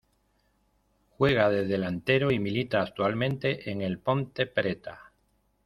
Juega de delantero y milita actualmente en el Ponte Preta.